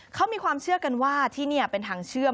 เขามีความเชื่อกันว่าที่นี่เป็นทางเชื่อม